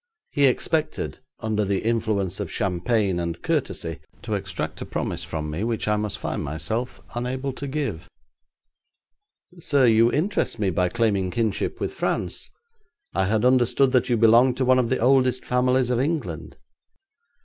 He expected, under the influence of champagne and courtesy, to extract a promise from me which I must find myself unable to give. 'Sir, you interest me by claiming kinship with France. I had understood that you belonged to one of the oldest families of England.'